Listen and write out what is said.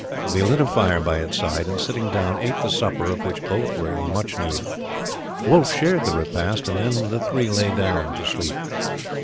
They lit a fire by its side, and sitting down ate the supper, of which both were in much need. Wolf shared the repast, and then the three lay down to sleep.